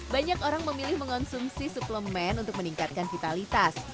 banyak orang memilih mengonsumsi suplemen untuk meningkatkan vitalitas